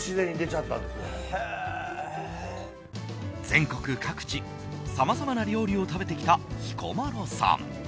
全国各地、さまざまな料理を食べてきた彦摩呂さん。